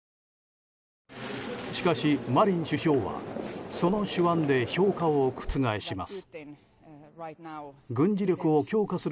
しかし、マリン首相はその手腕で評価を覆します。